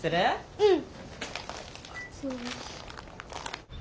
うん。